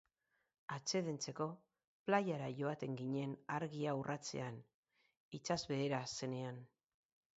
Atsedentzeko, plaiara joaten ginen argia urratzean, itsasbehera zenean.